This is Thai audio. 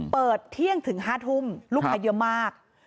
เปิดเที่ยงถึง๕ทุ่มลูกค้าเยอะมาก